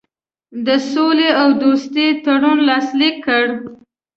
د سولي او دوستي تړون لاسلیک کړ.